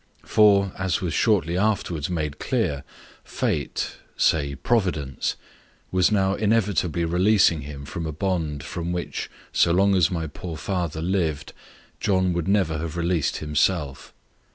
For, as was shortly afterwards made clear, fate say Providence was now inevitably releasing him from a bond, from which, so long as my poor father lived, John would never have released himself.